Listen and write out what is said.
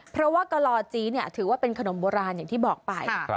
เพราะว่ากะลอจี้ถือว่าเป็นขนมโบราณอย่างที่บอกไป